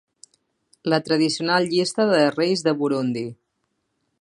La tradicional llista de reis de Burundi.